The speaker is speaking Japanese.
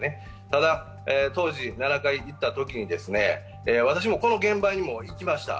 ただ、当時７回行ったときに私も、この現場に行きました。